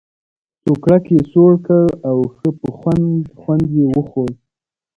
سوکړک یې سوړ کړ او ښه په خوند خوند یې وخوړ.